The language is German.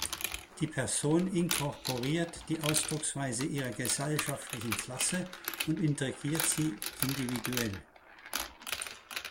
Die Person inkorporiert die Ausdrucksweisen ihrer gesellschaftlichen Klasse und integriert sie individuell.